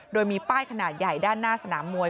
โดยมีป้ายขนาดใหญ่ด้านหน้าสนามมวย